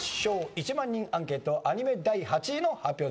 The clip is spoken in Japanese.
１万人アンケートアニメ第８位の発表です。